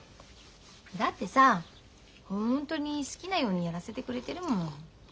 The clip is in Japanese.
だってさホントに好きなようにやらせてくれてるもん。